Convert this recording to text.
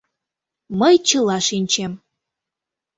— Мый чыла шинчем.